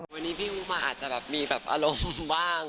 วันนี้พี่อู๋มาอาจจะมีอารมณ์บ้าง